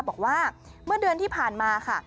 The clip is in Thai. บอกว่าเมื่อเดือนที่ผ่านมาค่ะ